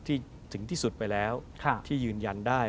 ถึงที่สุดไปแล้วที่ยืนยันได้